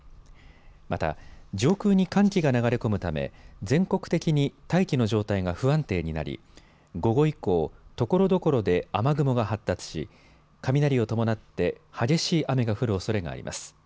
また上空に寒気が流れ込むため全国的に大気の状態が不安定になり午後以降、ところどころで雨雲が発達し雷を伴って激しい雨が降るおそれがあります。